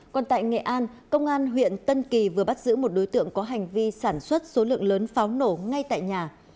còn tại nghệ an công an huyện tân kỳ vừa bắt giữ một đối tượng có hành vi sản xuất số lượng lớn pháo nổ ngay tại nhà